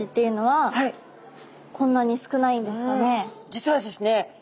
実はですね